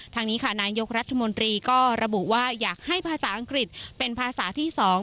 ทางนี้ค่ะนายกรัฐมนตรีก็ระบุว่าอยากให้ภาษาอังกฤษเป็นภาษาที่๒